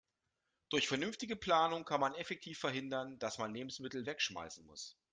Durch vernünftige Planung kann man effektiv verhindern, dass man Lebensmittel wegschmeißen muss.